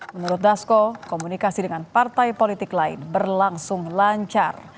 menurut dasko komunikasi dengan partai politik lain berlangsung lancar